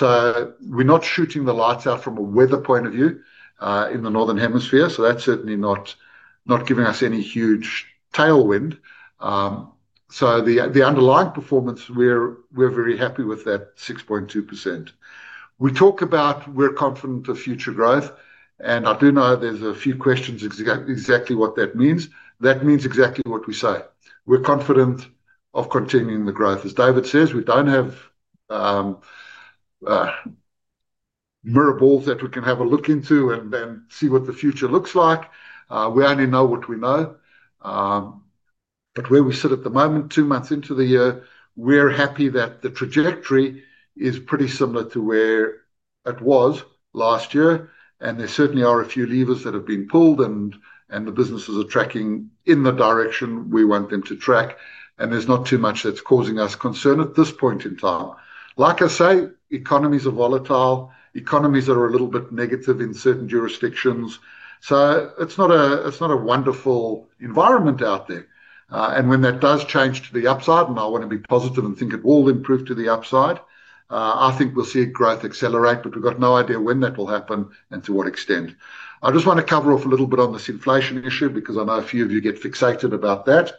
We're not shooting the lights out from a weather point of view in the Northern Hemisphere. That's certainly not giving us any huge tailwind. The underlying performance, we're very happy with that 6.2% we talk about. We're confident of future growth. I do know there's a few questions exactly what that means. That means exactly what we say. We're confident of continuing the growth. As David says, we don't have mirror balls that we can have a look into and see what the future looks like. We only know what we know. Where we sit at the moment, two months into the year, we're happy that the trajectory is pretty similar to where it was last year. There certainly are a few levers that have been pulled and the businesses are tracking in the direction we want them to track. There's not too much that's causing us concern at this point in time. Like I say, economies are volatile, economies are a little bit negative in certain jurisdictions. It's not a wonderful environment out there. When that does change to the upside, and I want to be positive and think it will improve to the upside, I think we'll see growth accelerate, but we've got no idea when that will happen and to what extent. I just want to cover off a little bit on this inflation issue because I know a few of you get fixated about that.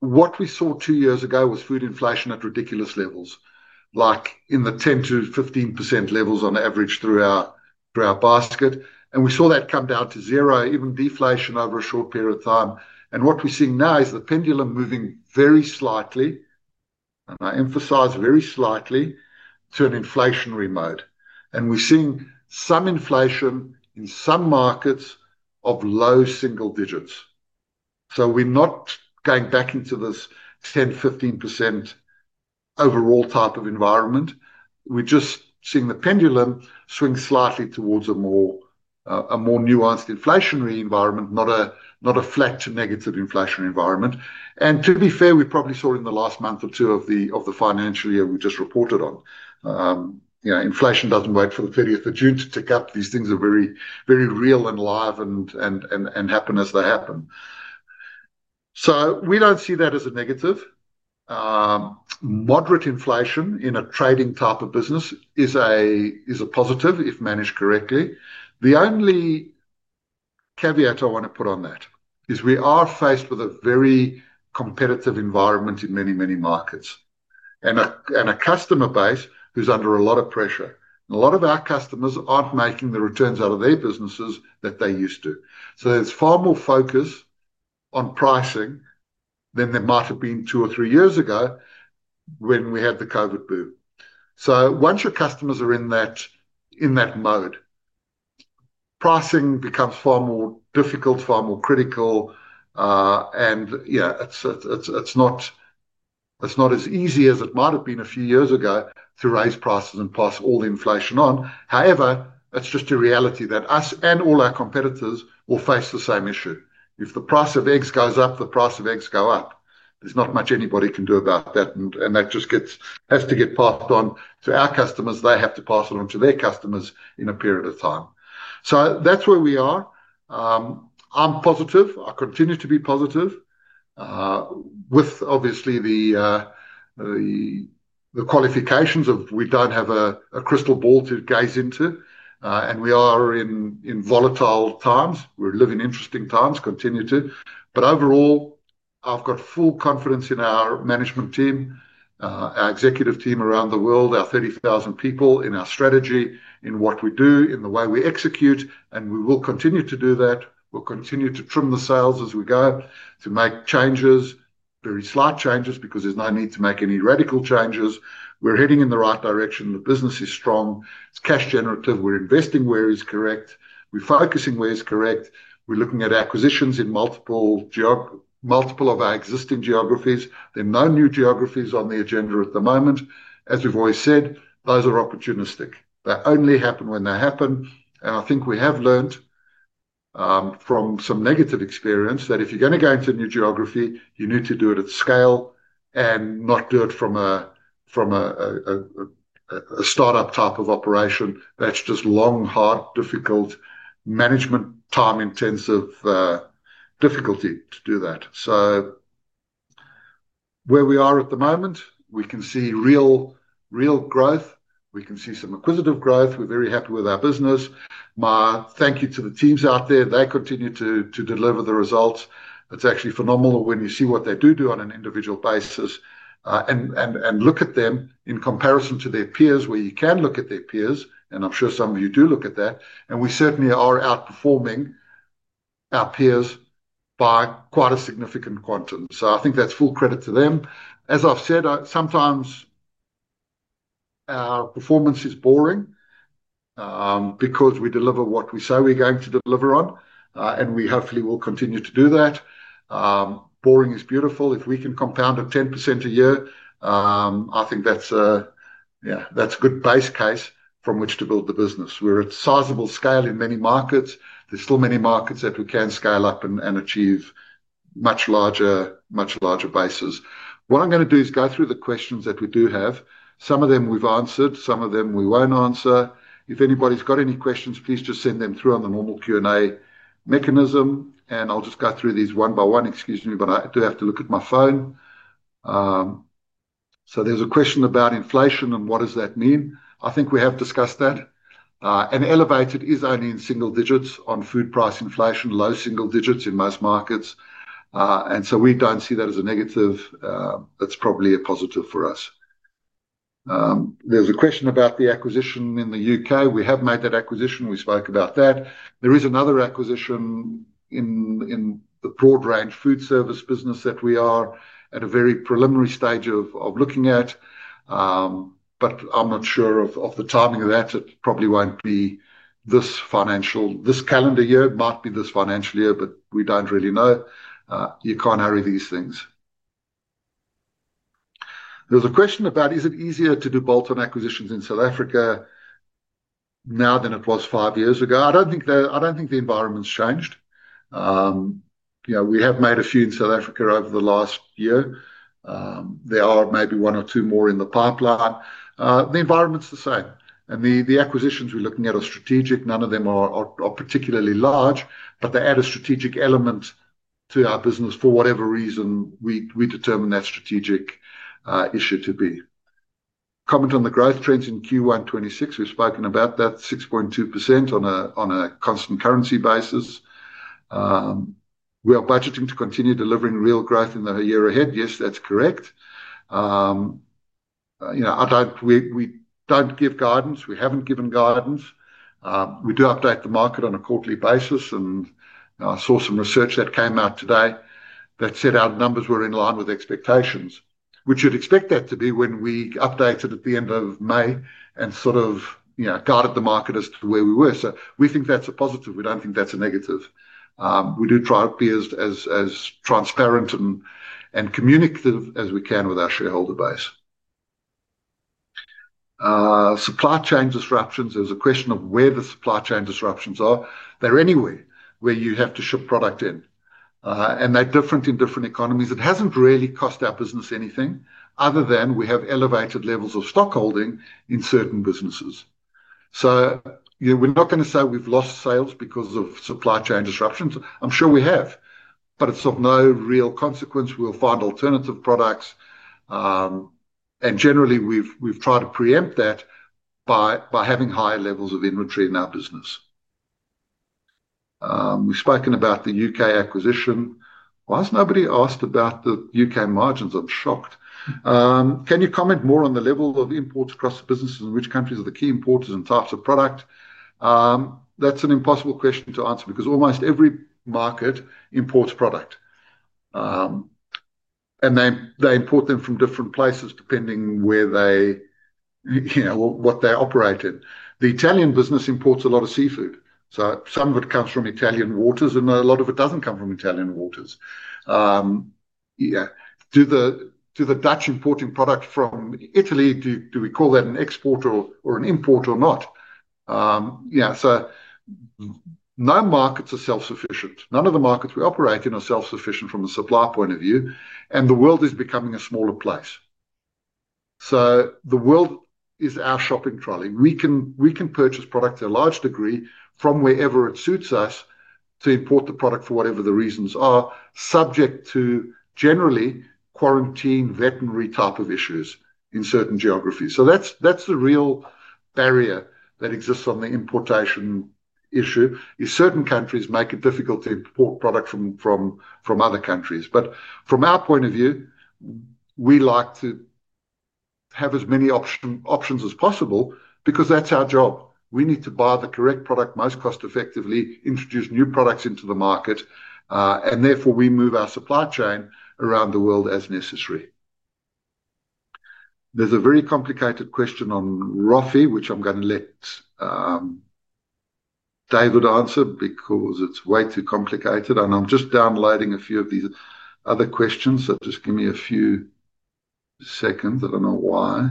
What we saw two years ago was food inflation at ridiculous levels like in the 10%-15% levels on average throughout basket. We saw that come down to zero, even deflation over a short period of time. What we're seeing now is the pendulum moving very slightly, and I emphasize very slightly, to an inflationary mode. We're seeing some inflation in some markets of low single digits. We're not going back into this 10%-15% overall type of environment. We're just seeing the pendulum swing slightly towards a more nuanced inflationary environment, not a flat to negative inflation environment. To be fair, we probably saw in the last month or two of the financial year we just reported on, inflation doesn't wait for the 30th of June to tick up. These things are very real and alive and happen as they happen. We don't see that as a negative. Moderate inflation in a trading type of business is a positive if managed correctly. The only caveat I want to put on that is we are faced with a very competitive environment in many, many markets and a customer base who's under a lot of pressure. A lot of our customers aren't making the returns out of their businesses that they used to. There's far more focus on pricing than there might have been two or three years ago when we had the COVID boom. Once your customers are in that mode, pricing becomes far more difficult, far more critical, and it's not as easy as it might have been a few years ago to raise prices and pass all the inflation on. However, that's just a reality that us and all our competitors will face the same issue. If the price of eggs goes up, the price of eggs goes up. There's not much anybody can do about that. That just has to get passed on to our customers. They have to pass it on to their customers in a period of time. That's where we are. I'm positive, I continue to be positive with obviously the qualifications of we don't have a crystal ball to gaze into and we are in volatile times, we live in interesting times. Overall, I've got full confidence in our management team, our executive team around the world, our 30,000 people, in our strategy, in what we do, in the way we execute, and we will continue to do that. We'll continue to trim the sails as we go to make changes, very slight changes because there's no need to make any radical changes. We're heading in the right direction. The business is strong, it's cash generative. We're investing where is correct, we're focusing where is correct. We're looking at acquisitions in multiple of our existing geographies. There are no new geographies on the agenda at the moment. As we've always said, those are opportunistic, they only happen when they happen. I think we have learned from some negative experience that if you're going to go into new geography you need to do it at scale and not do it from a startup type of operation. That's just long, hard, difficult management, time intensive difficulty to do that. Where we are at the moment, we can see real, real growth, we can see some acquisitive growth. We're very happy with our business. My thank you to the teams out there. They continue to deliver the results. It's actually phenomenal when you see what they do on an individual basis and look at them in comparison to their peers where you can look at their peers and I'm sure some of you do look at that and we certainly are outperforming our peers by quite a significant quantum. I think that's full credit to them. As I've said, sometimes our performance is boring because we deliver what we say we're going to deliver on and we hopefully will continue to do that. Boring is beautiful. If we can compound at 10% a year, I think that's a good base case from which to build the business. We're at sizable scale in many markets. There's still many markets that we can scale up and achieve much larger, much larger bases. What I'm going to do is go through the questions that we do have. Some of them we've answered, some of them we won't answer. If anybody's got any questions, please just send them through on the normal Q&A mechanism and I'll just go through these one by one. Excuse me, but I do have to look at my phone. There's a question about inflation and what does that mean. I think we have discussed that and elevated is only in single digits on food price inflation, low single digits in most markets. We don't see that as a negative. That's probably a positive for us. There's a question about the acquisition in the UK. We have made that acquisition. We spoke about that. There is another acquisition in the broad range food service business that we are at a very preliminary stage of looking at. I'm not sure of the timing of that. It probably won't be this financial, this calendar year. It might be this financial year, but we don't really know. You can't hurry these things. There's a question about is it easier to do bolt-on acquisitions in South Africa now than it was five years ago. I don't think the environment's changed. We have made a few in South Africa over the last year. There are maybe one or two more in the pipeline. The environment's the same and the acquisitions we're looking at are strategic. None of them are particularly large, but they add a strategic element to our business. For whatever reason, we determine that strategic issue to be. Comment on the growth trends in Q1 2026. We've spoken about that 6.2% on a constant currency basis. We are budgeting to continue delivering real growth in the year ahead. Yes, that's correct. We don't give guidance. We haven't given guidance. We do update the market on a quarterly basis, and I saw some research that came out today that said our numbers were in line with expectations, which you'd expect that to be when we updated at the end of May and sort of guided the market as to where we were. We think that's a positive. We don't think that's a negative. We do try to be as transparent and communicative as we can with our shareholder base. Supply chain disruptions. There's a question of where the supply chain disruptions are, they're anywhere where you have to ship product in, and they're different in different economies. It hasn't really cost our business anything other than we have elevated levels of stockholding in certain businesses. We're not going to say we've lost sales because of supply chain disruptions. I'm sure we have, but it's of no real consequence. We'll find alternative products, and generally we've tried to preempt that by having high levels of inventory in our business. We've spoken about the UK acquisition. Why has nobody asked about the UK margins? I'm shocked. Can you comment more on the level of imports across businesses? In which countries are the key importers and types of product? That's an impossible question to answer because almost every market imports product, and they import them from different places depending where they, you know, what they operate in. The Italian business imports a lot of seafood, so some of it comes from Italian waters and a lot of it doesn't come from Italian waters. Do the Dutch importing product from Italy, do we call that an exporter or an import or not? No markets are self-sufficient. None of the markets we operate in are self-sufficient from a supply point of view. The world is becoming a smaller place. The world is our shopping trolley. We can purchase product to a large degree from wherever it suits us to import the product for whatever the reasons are, subject to generally quarantine, veterinary type of issues in certain geographies. That's the real barrier that exists on the importation issue. Certain countries make it difficult to import product from other countries. From our point of view, we like to have as many options as possible because that's our job. We need to buy the correct product most cost effectively, introduce new products into the market, and therefore we move our supply chain around the world as necessary. There's a very complicated question on Rafi which I'm going to let David answer because it's way too complicated and I'm just downloading a few of these other questions, so just give me a few seconds. I don't know why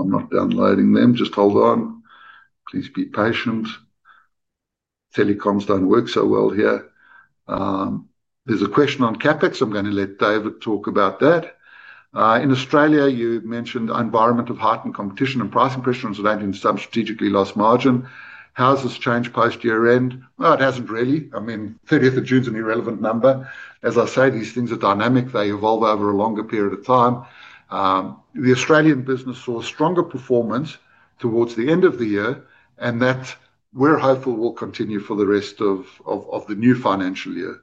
I'm not downloading them. Just hold on. Please be patient. Telecoms don't work so well here. There's a question on CapEx. I'm going to let David talk about that. In Australia, you mentioned environment of heightened competition and pricing pressure is relating to some strategically lost margin. Houses change post year end. It hasn't really. I mean, June 30 is an irrelevant number. As I say, these things are dynamic. They evolve over a longer period of time. The Australian business saw stronger performance towards the end of the year and that we're hopeful will continue for the rest of the new financial year.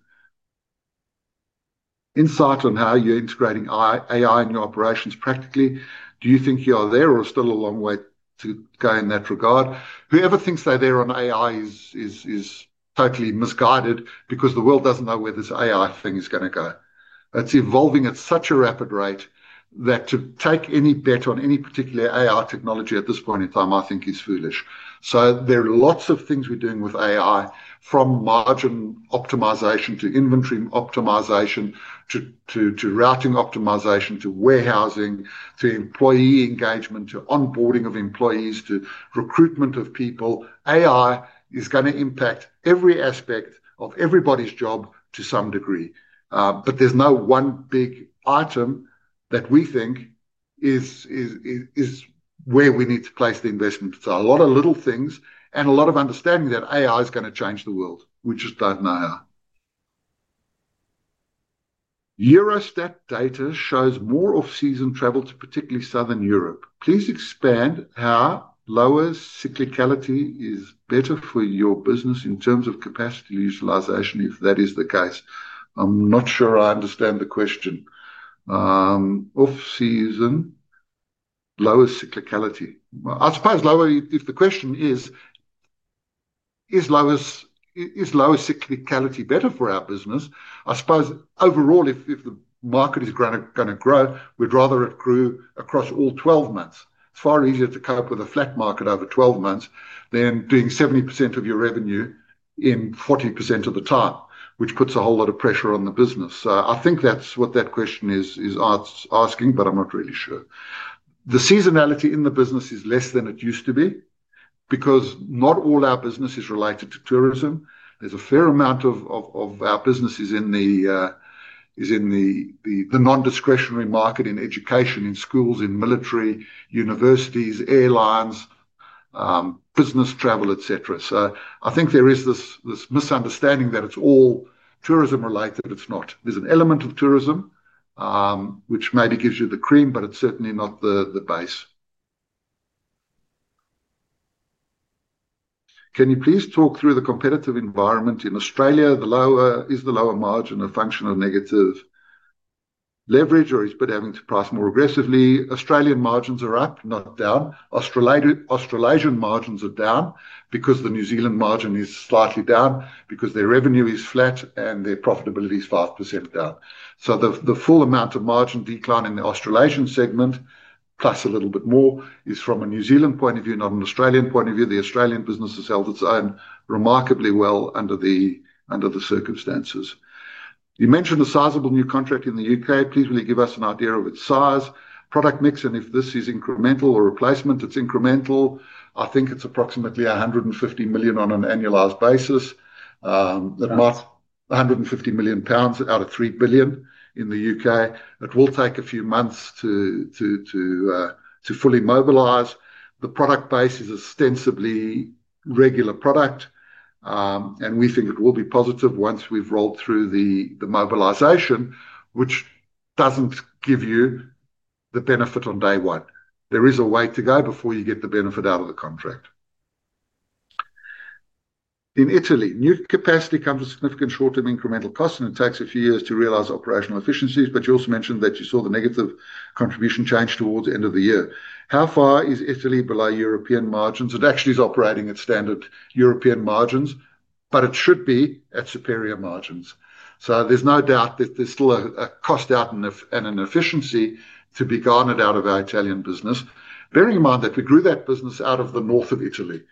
Insight on how you're integrating AI in your operations practically, do you think you are there or still a long way to go in that regard? Whoever thinks they're there on AI is totally misguided because the world doesn't know where this AI thing is going to go. It's evolving at such a rapid rate that to take any bet on any particular AI technology at this point in time I think is foolish. There are lots of things we're doing with AI, from margin optimization to inventory optimization to routing optimization to warehousing to employee engagement, to onboarding of employees to recruitment of people. AI is going to impact every aspect of everybody's job to some degree. There's no one big item that we think is where we need to place the investment. A lot of little things and a lot of understanding that AI is going to change the world. We just don't know. Eurostat data shows more off season travel to particularly Southern Europe. Please expand. How lower cyclicality is better for your business in terms of capacity utilization? If that is the case, I'm not sure I understand the question. Off season, lower cyclicality, I suppose lower. If the question is is lower cyclicality better for our business? I suppose overall, if the market is going to grow, we'd rather it grew across all 12 months. It's far easier to cope with a flat market over 12 months than doing 70% of your revenue in 40% of the time, which puts a whole lot of pressure on the business. I think that's what that question is asking. I'm not really sure. The seasonality in the business is less than it used to be because not all our business is related to tourism. A fair amount of our business is in the non-discretionary market, in education, in schools, in military, universities, airlines, business travel, etc. I think there is this misunderstanding that it's all tourism related. It's not. There's an element of tourism which maybe gives you the cream, but it's certainly not the base. Can you please talk through the competitive environment in Australia? Is the lower margin a function of negative leverage or is it having to price more aggressively? Australian margins are up, not down. Australasian margins are down because the New Zealand margin is slightly down, as their revenue is flat and their profitability is 5% down. The full amount of margin decline in the Australasian segment, plus a little bit more, is from a New Zealand point of view, not an Australian point of view. The Australian business has held its own remarkably well under the circumstances. You mentioned a sizable new contract in the UK. Please really give us an idea of its size, product mix, and if this is incremental or replacement. It's incremental. I think it's approximately £150 million on an annualized basis. £150 million out of £3 billion in the UK. It will take a few months to fully mobilize. The product base is ostensibly regular product, and we think it will be positive once we've rolled through the mobilization, which doesn't give you the benefit on day one. There is a way to go before you get the benefit out of the contract. In Italy, new capacity comes with significant short-term incremental costs, and it takes a few years to realize operational efficiencies. You also mentioned that you saw the negative contribution change towards the end of the year. How far is Italy below European margins? It actually is operating at standard European margins, but it should be at superior margins. There's no doubt that there's still a cost out and an efficiency to be garnered out of our Italian business. Bearing in mind that we grew that business out of the north of Italy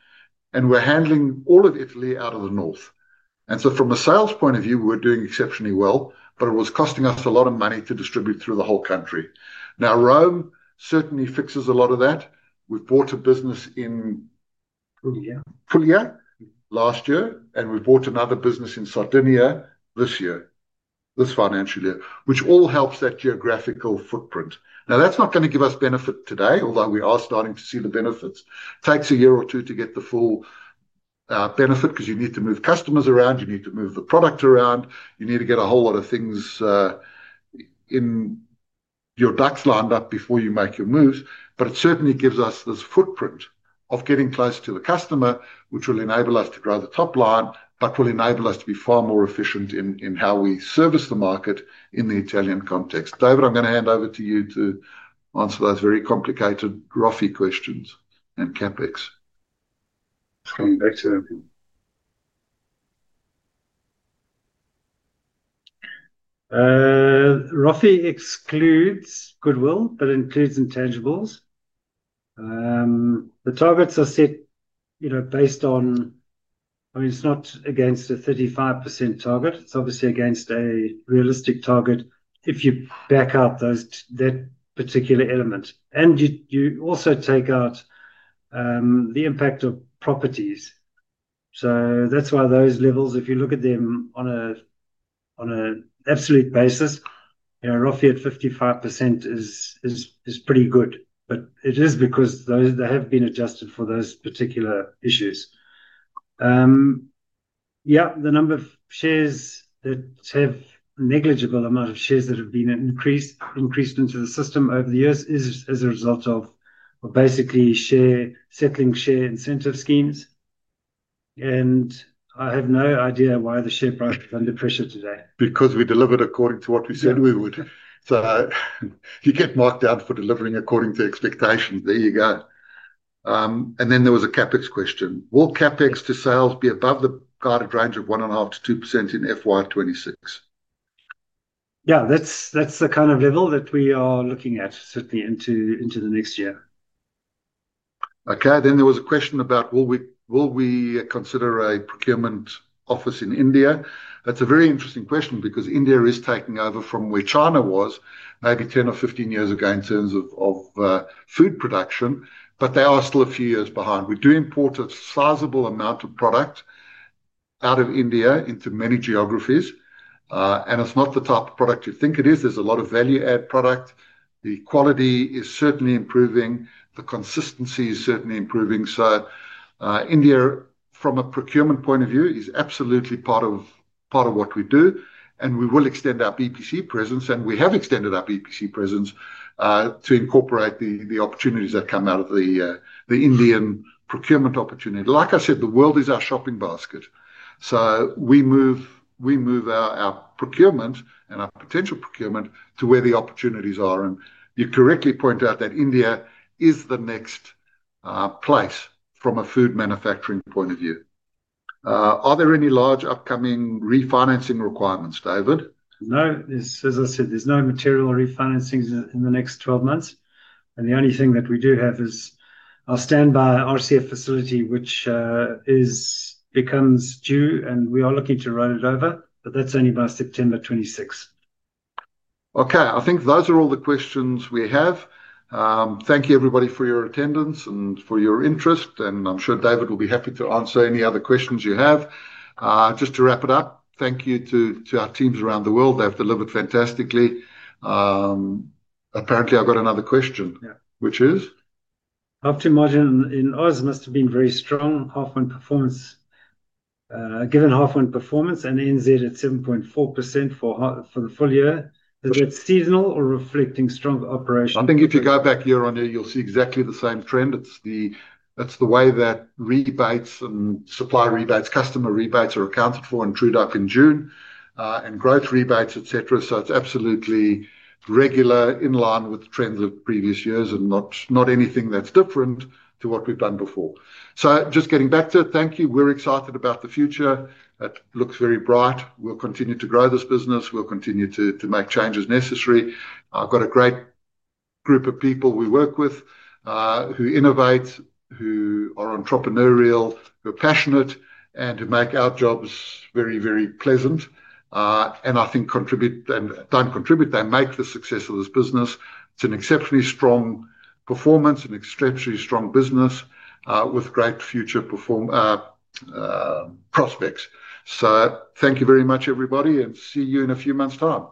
and we're handling all of Italy out of the north, from a sales point of view, we're doing exceptionally well. It was costing us a lot of money to distribute through the whole country. Now Rome certainly fixes a lot of that. We bought a business in full year last year, and we bought another business in Sardinia this year, this financial year, which all helps that geographical footprint. That's not going to give us benefit today, although we are starting to see the benefits. It takes a year or two to get the full benefit because you need to move customers around, you need to move the product around, you need to get a whole lot of things in your ducks lined up before you make your moves. It certainly gives us this footprint of getting close to the customer, which will enable us to grow the top line and will enable us to be far more efficient in how we service the market in the Italian context. David, I'm going to hand over to you to answer those very complicated ROFI questions. CapEx coming back to. ROFE excludes goodwill, but includes intangibles. The targets are set, you know, based on, I mean it's not against a 35% target, it's obviously against a realistic target if you back out that particular element and you also take out the impact of properties. That's why those levels, if you look at them on an absolute basis, you know, ROFE at 55% is pretty good, but it is because they have been adjusted for those particular issues. The number of shares, the negligible amount of shares that have been increased into the system over the years, is as a result of basically settling share incentive schemes. I have no idea why the share price is under pressure today. because We delivered according to what we said we would. You get marked down for delivering according to expectation. There you go. There was a CapEx question. Will CapEx to sales be above the guided range of 1.5%-2% in FY 2026? Yeah, that's the kind of level that we are looking at, certainly into the next year. There was a question about will we consider a procurement office in India? That's a very interesting question because India is taking over from where China was maybe 10 or 15 years ago in terms of food production, but they are still a few years behind. We do import a sizable amount of product out of India into many geographies and it's not the type of product you think it is. There's a lot of value add product. The quality is certainly improving, the consistency is certainly improving. India from a procurement point of view is absolutely part of what we do. We will extend our BPC presence and we have extended our BPC presence to incorporate the opportunities that come out of the Indian procurement opportunity. Like I said, the world is our shopping basket. We move our procurement and our potential procurement to where the opportunities are. You correctly point out that India is the next place from a food manufacturing point of view. Are there any large upcoming refinancing requirements, David? No, as I said, there's no material refinancings in the next 12 months. The only thing that we do have is our standby RCF facility, which becomes due, and we are looking to roll it over. That's only by September 26th. Okay, I think those are all the questions we have. Thank you everybody for your attendance and for your interest, and I'm sure David will be happy to answer any other questions you have. Just to wrap it up, thank you to our teams around the world. They've delivered fantastically. Apparently, I've got another question, which is optimizing. In Australasia, must have been very strong. Half on performance given, half on performance. NZ at 7.4% for the full year. Is that seasonal or reflecting strong operations? I think if you go back year on year you'll see exactly the same trend. It's the way that rebates and supply rebates, customer rebates are accounted for in June and growth rebates, et cetera. It's absolutely regular, in line with the trends of previous years, and not anything that's different to what we've done before. Just getting back to it, thank you. We're excited about the future. It looks very bright. We'll continue to grow this business, we'll continue to make changes necessary. I've got a great group of people we work with who innovate, who are entrepreneurial, who are passionate, and who make our jobs very, very pleasant, and I think contribute and don't contribute, they make the success of this business. It's an exceptionally strong performance, an extremely strong business with great future prospects. Thank you very much, everybody, and see you in a few months' time.